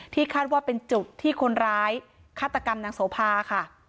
คาดว่าเป็นจุดที่คนร้ายฆาตกรรมนางโสภาค่ะ